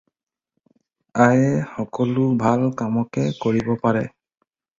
আইয়ে সকলো ভাল কামকে কৰিব পাৰে।